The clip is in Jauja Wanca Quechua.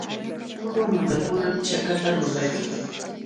Ullqu nunakunam chakata lulaykan.